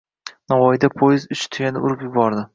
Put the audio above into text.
Navoiyda poyezd uchta tuyani urib yubordi